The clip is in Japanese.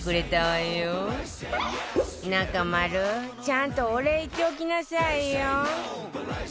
中丸ちゃんとお礼言っておきなさいよ